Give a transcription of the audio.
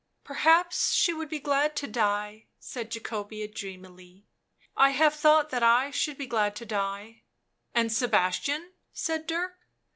" Perhaps she would be glad to die," said Jacobea dreamily. " I have thought that I should be glad to die." "And Sebastian?" said Dirk.